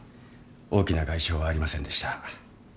大きな外傷はありませんでした。